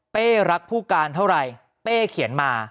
รักผู้การเท่าไหร่เป้เขียนมา